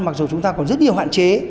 mặc dù chúng ta còn rất nhiều hoạn chế